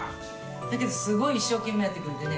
だけどすごい一生懸命やってくれてね。